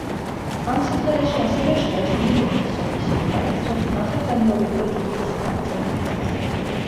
ამ სიმღერაში ასევე ჟღერს ნიკ მეისონის ვოკალიც, რაც აღარ განმეორებულა ჯგუფის არც ერთ დისკზე.